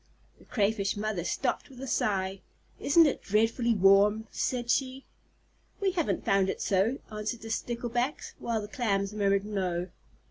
The Crayfish Mother stopped with a sigh. "Isn't it dreadfully warm?" said she. "We haven't found it so," answered the Sticklebacks, while the Clams murmured "No."